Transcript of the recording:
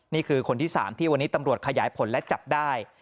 นี่คือคนที่๓ที่วันนี้ตำรวจขยายผลและจับได้